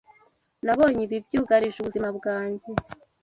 Nabonye ibi byugarije ubuzima bwanjye